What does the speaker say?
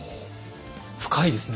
深いですね